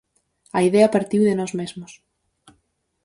A idea partiu de nós mesmos.